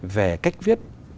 về cách viết